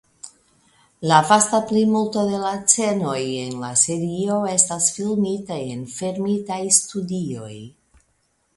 La vasta plimulto de la scenoj en la serio estas filmita en fermitaj studioj.